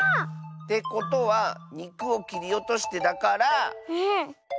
てことは「にくをきりおとして」だから。